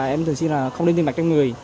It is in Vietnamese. em thường xin là không đem tiền mặt cho người